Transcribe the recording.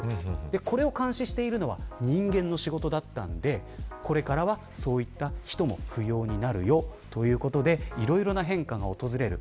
これを監視しているのは人間の仕事でしたのでこれからは、そういった人も不要になるよということでいろいろな変化が訪れます。